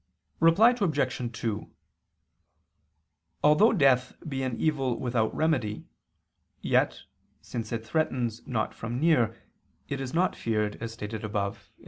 Reply Obj. 2: Although death be an evil without remedy, yet, since it threatens not from near, it is not feared, as stated above (A.